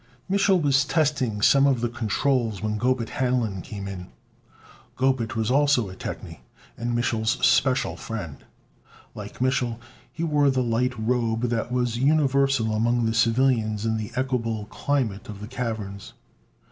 Mich'l was testing some of the controls when Gobet Hanlon came in. Gobet was also a technie, and Mich'l's special friend. Like Mich'l, he wore the light robe that was universal among the civilians in the equable climate of the caverns.